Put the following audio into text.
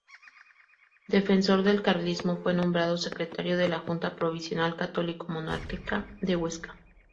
Defensor del carlismo, fue nombrado secretario de la junta provincial católico-monárquica de Huesca.